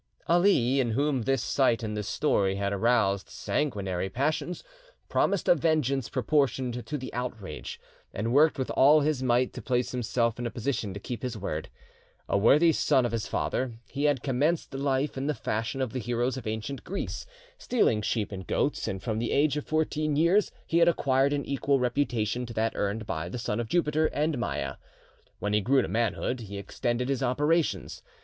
Ali, in whom this sight and this story had aroused, sanguinary passions, promised a vengeance proportioned to the outrage, and worked with all his might to place himself in a position to keep his word. A worthy son of his father, he had commenced life in the fashion of the heroes of ancient Greece, stealing sheep and goats, and from the age of fourteen years he had acquired an equal reputation to that earned by the son of Jupiter and Maia. When he grew to manhood, he extended his operations.